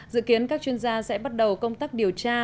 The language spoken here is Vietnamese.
dự kiến các chuyên gia sẽ bắt đầu công tác điều tra